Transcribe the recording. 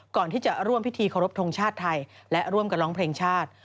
ก่อนที่จะร่วมพิธีเคารพทงชาติไทยและร่วมกันร้องเพลงชาติ